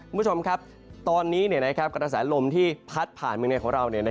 คุณผู้ชมครับตอนนี้กระแสลมที่พัดผ่านเมืองในของเรา